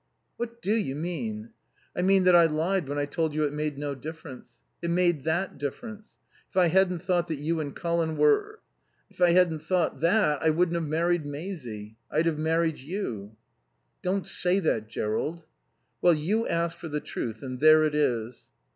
"What do you mean?" "I mean that I lied when I told you it made no difference. It made that difference. If I hadn't thought that you and Colin were...if I hadn't thought that, I wouldn't have married Maisie. I'd have married you." "Don't say that, Jerrold." "Well you asked for the truth, and there it is."